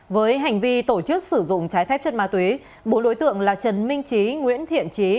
với hành vi tổ chức sử dụng trái phép chất ma túy bố đối tượng là trần minh trí nguyễn thiện trí